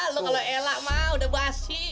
lo kalo elak mah udah basi